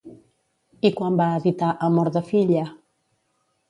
I quan va editar Amor de filla?